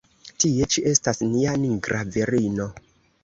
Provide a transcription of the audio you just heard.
Tie ĉi estas nia nigra virino!